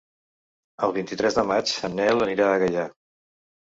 El vint-i-tres de maig en Nel anirà a Gaià.